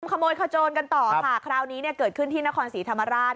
ขโมยขโจนกันต่อค่ะคราวนี้เนี่ยเกิดขึ้นที่นครศรีธรรมราช